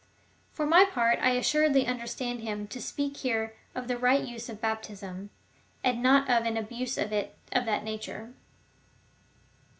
For my part, I assuredly understand him to speak here of the right use of baptism, and not of an abuse of it of that nature.